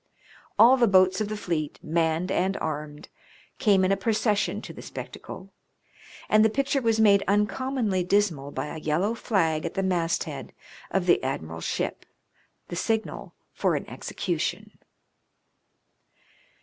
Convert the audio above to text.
All the boats of the fleet, manned and armed, came in a procession to the spectacle ; and the picture was made uncommonly dismal by a yellow flag at the masthead of the admiral's 122 MARINE PUNISEMENTS, ship— the signal for an execution.